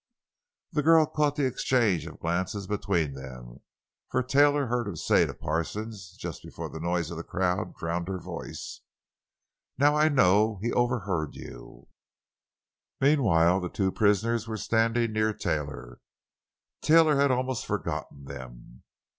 The girl caught the exchange of glances between them, for Taylor heard her say to Parsons, just before the noise of the crowd drowned her voice: "Now I know he overheard you!" Meanwhile, the two prisoners were standing near Taylor. Taylor had almost forgotten them.